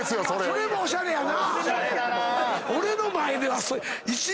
それもおしゃれやな。